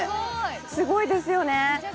すごいですよね。